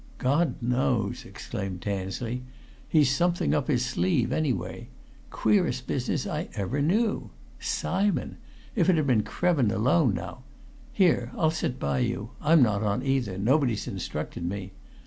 "God knows!" exclaimed Tansley. "He's something up his sleeve anyway. Queerest business ever I knew! Simon! If it had been Krevin alone, now. Here, I'll sit by you I'm not on, either nobody's instructed me.